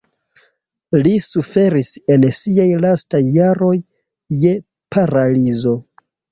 Li suferis en siaj lastaj jaroj je paralizo.